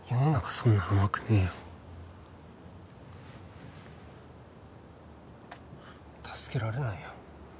そんな甘くねえよ助けられないよ